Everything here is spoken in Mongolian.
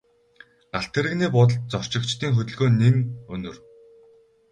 Галт тэрэгний буудалд зорчигчдын хөдөлгөөн нэн өнөр.